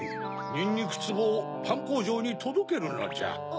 にんにくつぼをパンこうじょうにとどけるのじゃ。